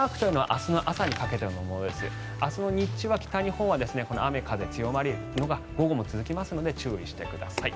明日の日中は北日本は雨、風強まるのが午後も続きますので注意してください。